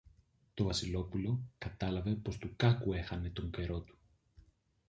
Το Βασιλόπουλο κατάλαβε πως του κάκου έχανε τον καιρό του.